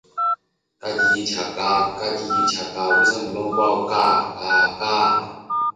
Kirtley is now the sole host, though John Joseph Adams makes guest appearances.